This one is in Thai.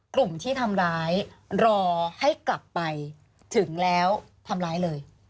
กลุ่มที่ทำร้ายรอให้กลับไปถึงแล้วทำร้ายเลย